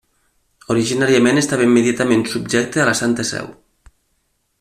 Originàriament estava immediatament subjecta a la Santa Seu.